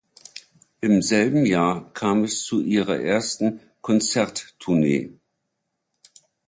Im selben Jahr kam es zu ihrer ersten Konzerttournee.